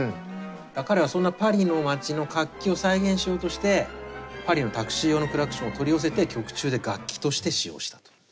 彼はそんなパリの街の活気を再現しようとしてパリのタクシー用のクラクションを取り寄せて曲中で楽器として使用したという。